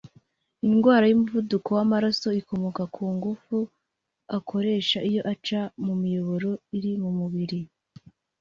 Indwara y’umuvuduko w’amaraso ikomoka ku ngufu akoresha iyo aca mu miyoboro iri mu mubiri